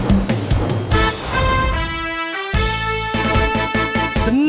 เวลา๕โมงเย็น